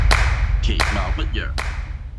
其貌不揚